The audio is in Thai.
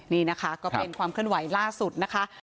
นี่นะคะก็เป็นความเคลื่อนไหวล่าสุดนะคะ